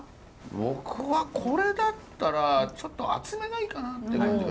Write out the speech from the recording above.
僕はこれだったらちょっと熱めがいいかなって感じがします？